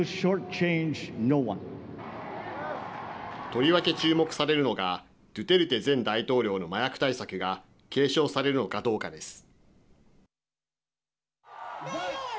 とりわけ注目されるのがドゥテルテ前大統領の麻薬対策が継承されるのかどうかです。